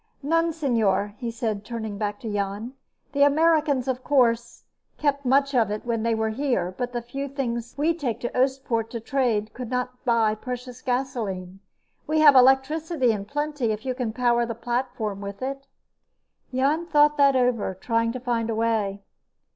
"None, señor," he said, turning back to Jan. "The Americans, of course, kept much of it when they were here, but the few things we take to Oostpoort to trade could not buy precious gasoline. We have electricity in plenty if you can power the platform with it." Jan thought that over, trying to find a way.